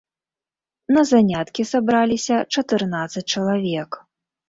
На заняткі сабраліся чатырнаццаць чалавек.